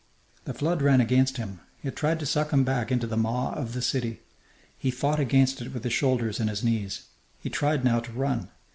The flood ran against him. It tried to suck him back into the maw of the city. He fought against it with his shoulders and his knees. He tried now to run.